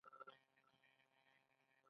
د ځمکې تودوخه خطرناکه ده